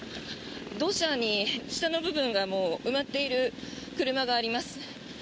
土砂に下の部分がもう埋まっている車があります。